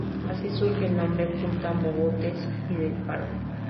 Así surge el nombre Punta Mogotes y del faro.